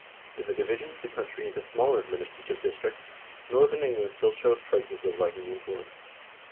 In the division of the country into smaller administrative districts, northern England still shows traces of Viking influence.